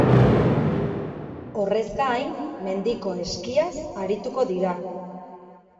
Horrez gain, mendiko eskiaz arituko dira.